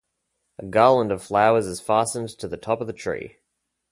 A garland of flowers is fastened to the top of the tree.